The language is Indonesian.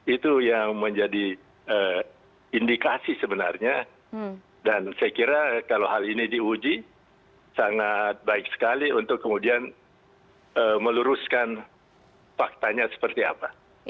itu yang menjadi indikasi sebenarnya dan saya kira kalau hal ini diuji sangat baik sekali untuk kemudian meluruskan faktanya seperti apa